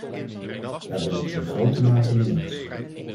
Daar ben ik het in grote mate mee eens.